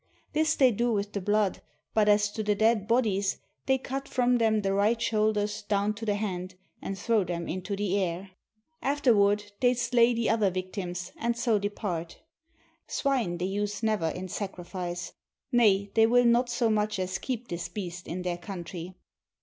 This they do with the blood, but as to the dead bodies they cut from them the right shoul ders down to the hand and throw them into the air. Afterward they slay the other victims, and so depart. Swine they use never in sacrifice; nay, they will not so much as keep this beast in their country.